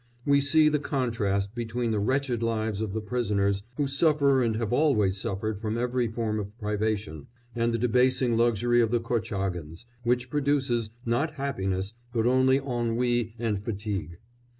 We see the contrast between the wretched lives of the prisoners, who suffer and have always suffered from every form of privation, and the debasing luxury of the Korchágins, which produces, not happiness but only ennui and fatigue.